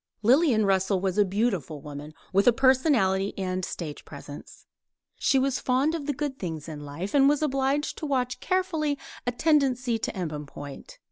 Lillian Russell was a beautiful woman, with a personality and a stage presence. She was fond of the good things in life, and was obliged to watch carefully a tendency to embonpoint.